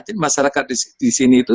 jadi masyarakat disini itu